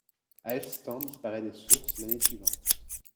Ælfstan disparaît des sources l'année suivante.